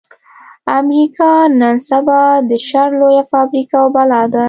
امريکا نن سبا د شر لويه فابريکه او بلا ده.